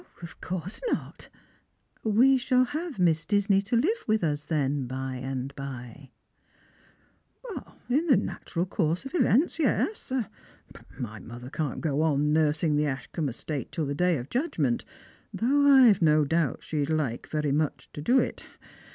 " Of course not. We shall have Miss Disney to live with us, then, by and by?" " In the natural course of events, yes ; my mother can't go on nursing the Ashcombe estate till the Day of Judgment, though I've no doubt she'd like very much to do it.